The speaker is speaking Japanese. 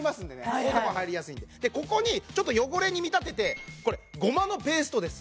こういうとこ入りやすいんでここにちょっと汚れに見立ててこれごまのペーストです